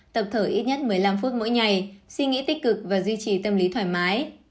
tập thở ít nhất một mươi năm phút mỗi ngày suy nghĩ tích cực và duy trì tâm lý thoải mái